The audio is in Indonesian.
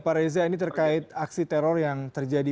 pak reza ini terkait aksi teror yang terjadi